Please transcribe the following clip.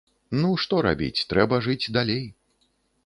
Ну, што рабіць, трэба жыць далей.